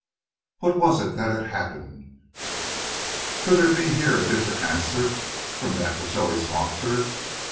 What was it that had happened? Could there be here a different answer from that which always mocked her?